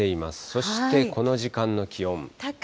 そしてこの時間の気温。